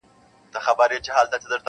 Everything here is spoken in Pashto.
په لمنو کي د غرونو بس جونګړه کړو ودانه -